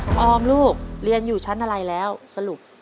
ออมลูกเรียนอยู่ชั้นอะไรแล้วสรุป